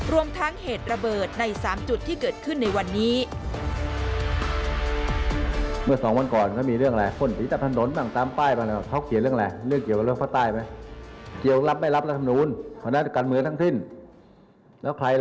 รวมทั้งเหตุระเบิดใน๓จุดที่เกิดขึ้นในวันนี้